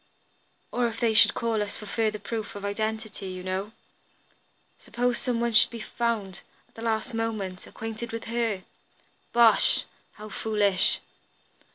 "Or if they should call for further proof of identity, you know. Suppose some one should be found, at the last moment, acquainted with her!" "Bosh! How foolish!"